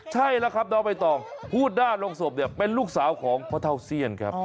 ใช่แล้วครับน้องใบตองพูดหน้าลงศพเนี่ยเป็นลูกสาวของพ่อเท่าเซียนครับ